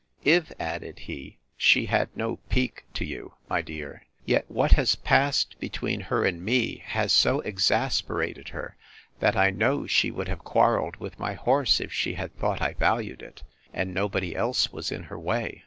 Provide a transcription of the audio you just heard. If, added he, she had no pique to you, my dear, yet what has passed between her and me, has so exasperated her, that I know she would have quarrelled with my horse, if she had thought I valued it, and nobody else was in her way.